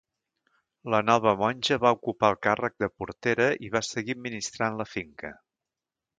La nova monja va ocupar el càrrec de portera i va seguir administrant la finca.